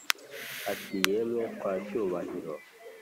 ati"yemwe kwa cyubahiro